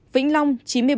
vĩnh long chín mươi bảy